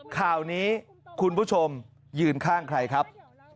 ข่าวนี้คุณผู้ชมยืนข้างใครครับ